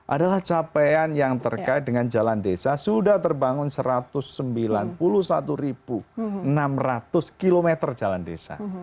adalah capaian yang terkait dengan jalan desa sudah terbangun satu ratus sembilan puluh satu enam ratus km jalan desa